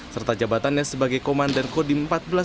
serta jabatannya sebagai komandan kodim empat belas